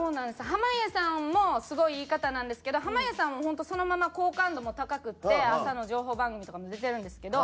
濱家さんもすごいいい方なんですけど濱家さんは本当そのまま好感度も高くて朝の情報番組とかも出てるんですけど。